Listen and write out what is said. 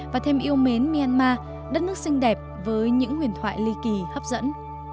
và thêm yêu mến myanmar đất nước xinh đẹp với những huyền thoại ly kỳ hấp dẫn